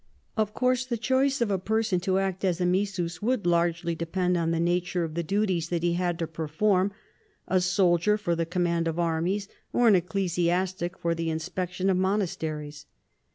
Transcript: Of course the choice of a person to act as missus would largely depend on the nature of the duties that ho had to ])crform : a sohlier for the command of armies or an ecclesiastic for the inspection of monasteries.